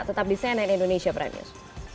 tetap di cnn indonesia prime news